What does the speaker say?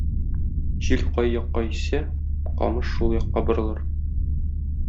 Җил кай якка иссә, камыш шул якка борылыр.